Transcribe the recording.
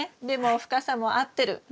でも深さも合ってる。